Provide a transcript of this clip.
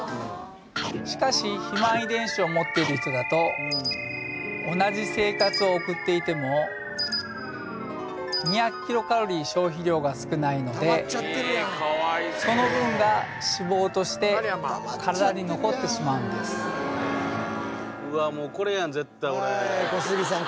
しかし肥満遺伝子を持っている人だと同じ生活を送っていても２００キロカロリー消費量が少ないのでその分が脂肪として体に残ってしまうんです小杉さん